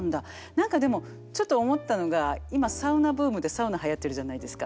何かでもちょっと思ったのが今サウナブームでサウナはやってるじゃないですか。